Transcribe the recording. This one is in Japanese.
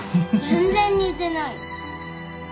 全然似てない。